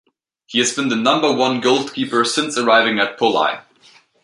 He has been the number one goalkeeper since arriving at Poli.